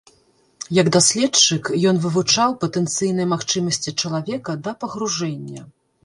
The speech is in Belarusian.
Як даследчык, ён вывучаў патэнцыйныя магчымасці чалавека да пагружэння.